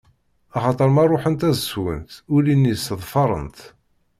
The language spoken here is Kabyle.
Axaṭer mi ara ṛuḥent ad swent, ulli-nni sseḍfarent.